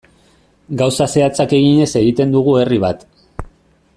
Gauza zehatzak eginez egiten dugu herri bat.